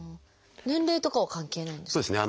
年齢とかは関係ないんですか？